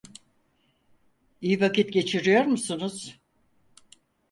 İyi vakit geçiriyor musunuz?